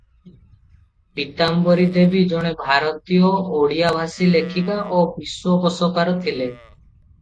ପୀତାମ୍ବରୀ ଦେବୀ ଜଣେ ଭାରତୀୟ ଓଡ଼ିଆ-ଭାଷୀ ଲେଖିକା ଓ ବିଶ୍ୱକୋଷକାର ଥିଲେ ।